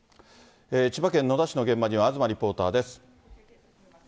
千葉県野田市の現場には東リポーターです。